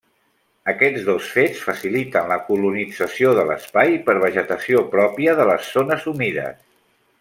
Aquests dos fets faciliten la colonització de l'espai per vegetació pròpia de les zones humides.